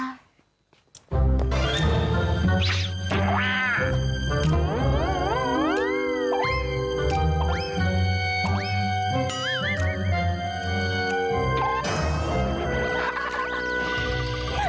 อ้าวไม่แน่ใจแล้วค่ะ